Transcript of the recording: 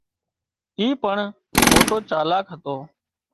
اي پڻ موٽو چالاڪ هتو